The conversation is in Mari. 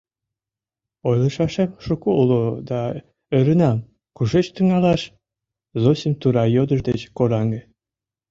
— Ойлышашем шуко уло да ӧрынам, кушеч тӱҥалаш, — Зосим тура йодыш деч кораҥе.